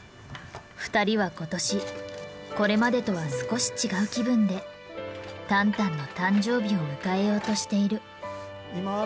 二人は今年これまでとは少し違う気分でタンタンの誕生日を迎えようとしている。